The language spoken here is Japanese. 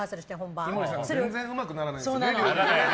井森さんが全然うまくならないんですよね、料理。